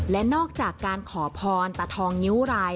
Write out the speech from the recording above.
และนอกจากการขอพรตาทองนิ้วราย